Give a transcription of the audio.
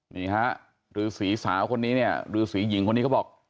นี่ฮะรือศรีสาวคนนี้เนี่ยรือศรีหญิงคนนี้เขาบอก